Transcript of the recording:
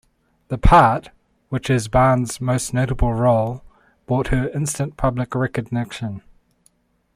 The part, which is Barnes' most notable role, brought her instant public recognition.